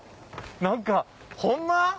何かホンマ